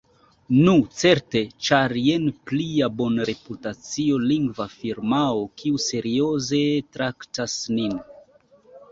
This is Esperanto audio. Nu, certe, ĉar jen plia bonreputacia lingva firmao kiu serioze traktas nin.